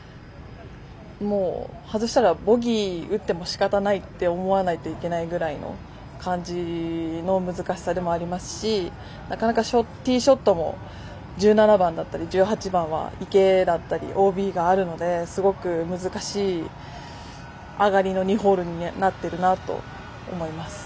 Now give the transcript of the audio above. もう外したらボギー打ってもしかたないって思わないといけないぐらいの感じの難しさでもありますしなかなか、ティーショットも１７番だったり１８番は池だったり、ＯＢがあるのですごく難しい上がりの２ホールになってるなと思います。